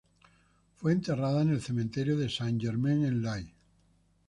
Fue enterrada en el cementerio de Saint-Germain-en-Laye.